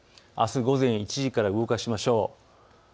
あす午前１時から動かしましょう。